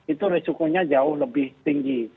itu risikonya jauh lebih tinggi